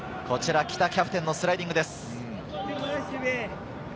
こちら北キャプテンのスライディングです。